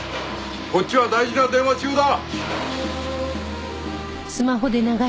こっちは大事な電話中だ。